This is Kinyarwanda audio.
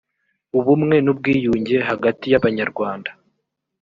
ubumewe n ubwiyunge hagati y abanyarwanda